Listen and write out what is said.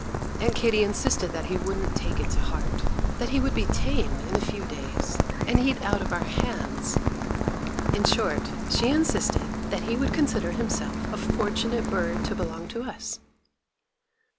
Aunt Katy insisted that he wouldn't take it to heart; that he would be tame in a few days, and eat out of our hands: in short, she insisted that he would consider himself a fortunate bird to belong to us.